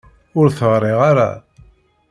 Ur t-ɣriɣ ara.